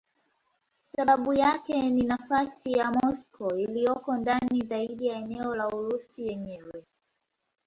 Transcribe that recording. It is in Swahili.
Sababu yake ni nafasi ya Moscow iliyoko ndani zaidi ya eneo la Urusi yenyewe.